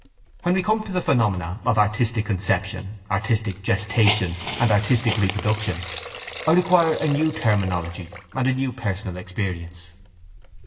When we come to the phenomena of artistic conception, artistic gestation, and artistic reproduction I require a new terminology and a new personal experience.